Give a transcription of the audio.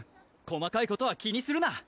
細かいことは気にするな！